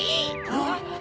あっ！